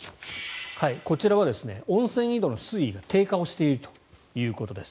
こちらは温泉井戸の水位が低下をしているということです。